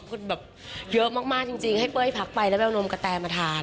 คนแบบเยอะมากจริงให้เป้ยพักไปแล้วไปเอานมกะแตมาทาน